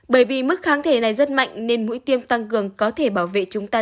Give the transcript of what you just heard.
bởi vì mức kháng thể này rất mạnh nên mũi tiêm tăng cường có thể bảo vệ chúng ta